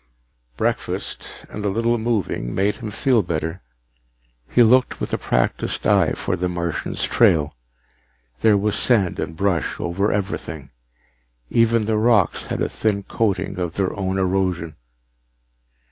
Breakfast and a little moving made him feel better. He looked with a practiced eye for the Martian's trail. There was sand and brush over everything, even the rocks had a thin coating of their own erosion.